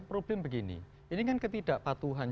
problem begini ini kan ketidakpatuhan